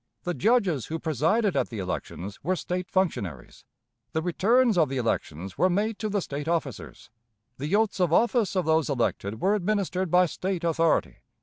The judges who presided at the elections were State functionaries. The returns of the elections were made to the State officers. The oaths of office of those elected were administered by State authority.